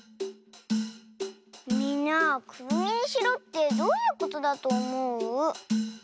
みんなくるみにしろってどういうことだとおもう？